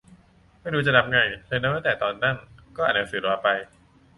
ไม่รู้จะนับไง เลยนับตั้งแต่ตอนนั่ง ก็อ่านหนังสือรอไป